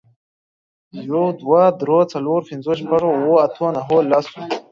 يوه، دوو، درو، څلورو، پنځو، شپږو، اوو، اتو، نهو، لسو